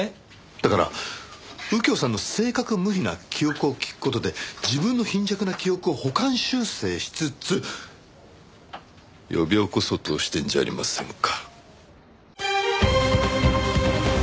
だから右京さんの正確無比な記憶を聞く事で自分の貧弱な記憶を補完修正しつつ呼び起こそうとしてるんじゃありませんか。